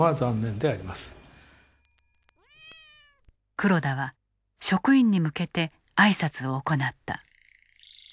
黒田は職員に向けてあいさつを行った。